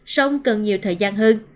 sống cần nhiều thời gian hơn